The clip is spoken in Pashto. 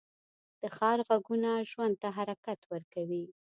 د ښار غږونه ژوند ته حرکت ورکوي